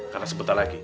karena sebentar lagi